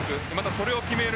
それを決める